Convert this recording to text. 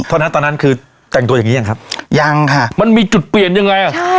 เพราะฉะนั้นตอนนั้นคือแต่งตัวอย่างงี้ยังครับยังค่ะมันมีจุดเปลี่ยนยังไง